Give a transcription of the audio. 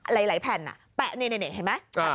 หลายแผ่นแปะนี่เห็นไหม